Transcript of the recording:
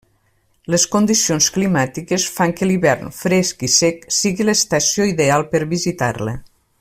Les condicions climàtiques fan que l'hivern, fresc i sec, sigui l'estació ideal per visitar-la.